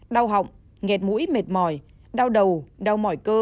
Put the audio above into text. đau họng nghẹt mũi mệt mỏi đau đầu đau mỏi cơ